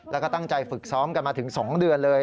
แล้วก็ตั้งใจฝึกซ้อมกันมาถึง๒เดือนเลย